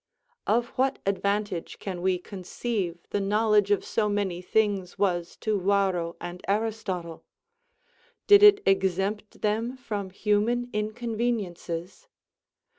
Of what advantage can we conceive the knowledge of so many things was to Yarro and Aristotle? Did it exempt them from human inconveniences?